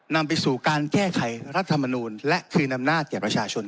นำไปสู่การแก้ไขรัตน์ธรรมนวณและคือนำนาจหญิงประชาชน